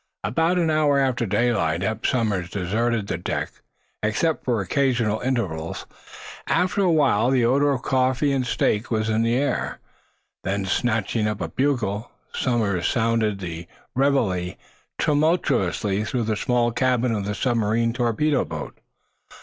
About an hour after daylight, Eph Somers deserted the deck, except for occasional intervals. After a while the odor of coffee and steak was in the air. Then, snatching up a bugle, Somers sounded the reveille tumultuously through the small cabin of the submarine torpedo boat.